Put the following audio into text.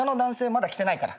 まだ来てないから。